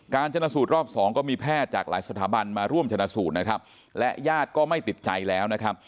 การชนะสูตรรอบ๒ก็มีแพทย์จากหลายสถาบันมาร่วมชนะสูตรและญาติก็ไม่ติดใจแล้ว